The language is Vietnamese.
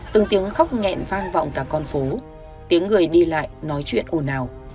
từng tiếng khóc nghẹn vang vọng cả con phố tiếng người đi lại nói chuyện ồn ào